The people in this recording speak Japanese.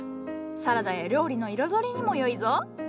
サラダや料理の彩りにもよいぞ。